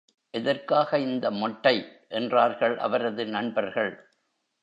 எதற்காக இந்த மொட்டை? என்றார்கள் அவரது நண்பர்கள்.